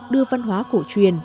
đưa văn hóa cổ truyền